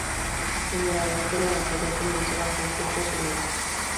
Generalmente la batalla comenzaba con flechas y lanzas.